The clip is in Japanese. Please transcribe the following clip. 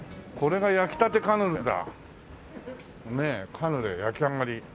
「カヌレ焼き上り」